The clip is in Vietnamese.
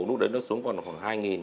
lúc đấy nó xuống còn khoảng hai nghìn